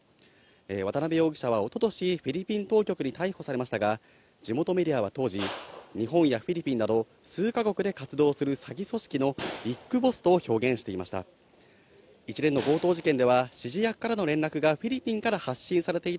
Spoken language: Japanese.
渡辺容疑者はおととし、フィリピン当局に逮捕されましたが、地元メディアは当時、日本やフィリピンなど数か国で活動する詐欺組織のビッグボスと表現していました。